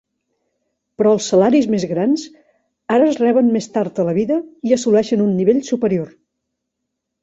Però els salaris més grans ara es reben més tard a la vida i assoleixen un nivell superior.